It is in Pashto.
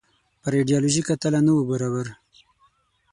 پر ایډیالوژیکه تله نه وو برابر.